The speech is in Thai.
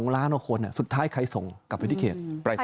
ล้านกว่าคนสุดท้ายใครส่งกลับไปที่เขต